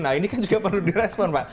nah ini kan juga perlu direspon pak